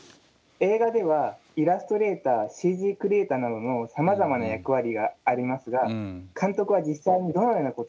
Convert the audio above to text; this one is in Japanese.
映画ではイラストレーターＣＧクリエーターなどのさまざまな役割がありますが監督は実際にどのようなことをしているのでしょうか？